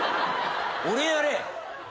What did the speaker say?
俺やれよ。